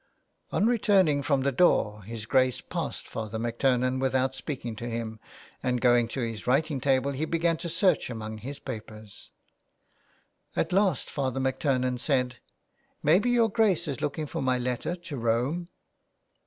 On returning from the door his Grace passed Father MacTurnan without speaking to him, and going to his writing table he began to search amid his papers. At last Father MacTurnan said :—*' Maybe your Grace is looking for my letter to Rome?"